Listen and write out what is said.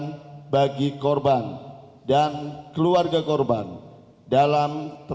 dan pemenuhan keadilan bagi korban dan keluarga korban dalam peperiksaan kontras